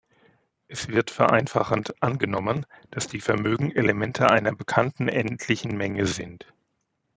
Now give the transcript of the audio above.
Es wird vereinfachend angenommen, dass die Vermögen Elemente einer bekannten endlichen Menge sind.